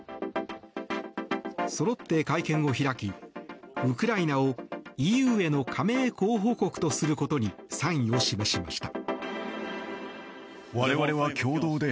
そろって会見を開きウクライナをＥＵへの加盟候補国とすることに賛意を示しました。